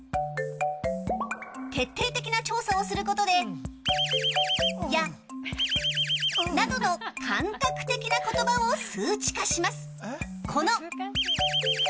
徹底的な調査をすることで〇や〇などの感覚的な言葉を数値化します。